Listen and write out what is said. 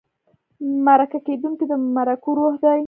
مرکه کېدونکی د مرکو روح دی.